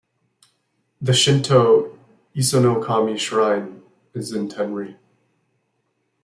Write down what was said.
The Shinto Isonokami Shrine is in Tenri.